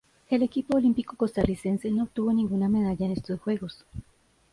El equipo olímpico costarricense no obtuvo ninguna medalla en estos Juegos.